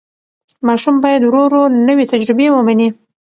ماشوم باید ورو ورو نوې تجربې ومني.